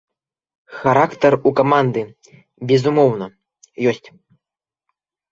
Характар у каманды, безумоўна, ёсць.